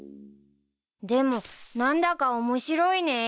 でも何だか面白いね。